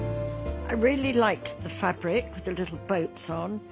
はい。